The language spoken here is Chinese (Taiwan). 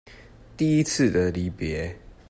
第一次的離別